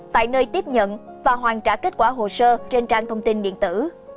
tại nơi tiếp nhận và hoàn trả kết quả hồ sơ trên trang thông tin điện tử